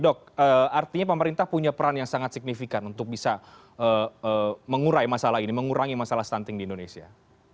dok artinya pemerintah punya peran yang sangat signifikan untuk bisa mengurai masalah ini mengurangi masalah stunting di indonesia